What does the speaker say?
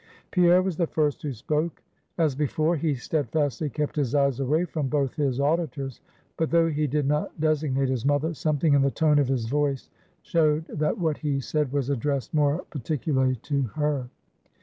Pierre was the first who spoke; as before, he steadfastly kept his eyes away from both his auditors; but though he did not designate his mother, something in the tone of his voice showed that what he said was addressed more particularly to her.